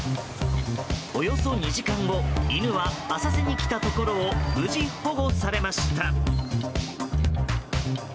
およそ２時間後犬は浅瀬に来たところを無事、保護されました。